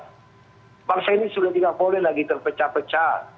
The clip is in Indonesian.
ketua umum ini sudah tidak boleh lagi terpecah pecah